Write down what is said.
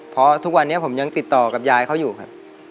เพราะทุกวันนี้ผมยังติดต่อกับยายเขาอยู่ครับ